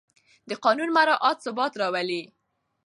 د قانون مراعت ثبات راولي